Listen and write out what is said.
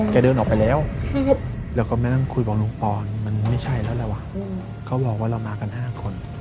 ก็ได้แล้วแล้วว่าเขาบอกว่าเรามากัน๕คน